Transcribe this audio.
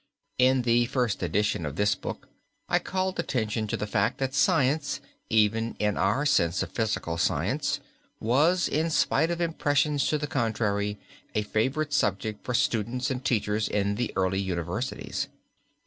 In the first edition of this book I called attention to the fact, that science, even in our sense of physical science, was, in spite of impressions to the contrary, a favorite subject for students and teachers in the early universities.